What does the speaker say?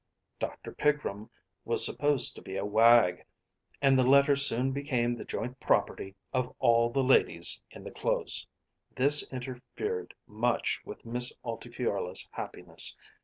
Dr. Pigrum was supposed to be a wag, and the letter soon became the joint property of all the ladies in the Close. This interfered much with Miss Altifiorla's happiness.